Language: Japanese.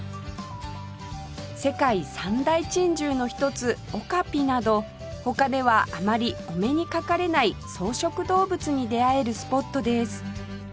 世界三大珍獣の一つオカピなど他ではあまりお目にかかれない草食動物に出会えるスポットです